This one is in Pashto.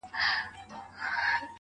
دلته کښى طمعه د هېچا نه د مرهم مه کوه